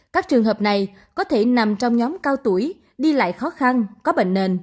các trường hợp này có thể nằm trong nhóm cao tuổi đi lại khó khăn có bệnh nền